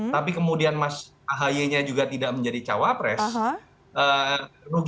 tapi kemudian mas ahy nya juga tidak menjadi cawapres ruginya dua kali